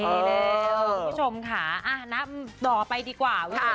คุณผู้ชมค่ะนับต่อไปดีกว่า